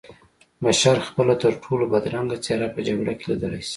بشر خپله ترټولو بدرنګه څېره په جګړه کې لیدلی شي